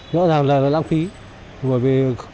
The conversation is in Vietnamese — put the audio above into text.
rõ ràng là lãng phí của người dân đến lễ chùa đông hơn